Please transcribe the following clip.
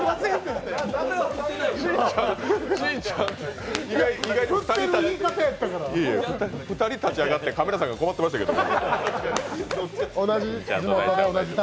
しんちゃん、意外に２人立ち上がってカメラさん困ってましたけど。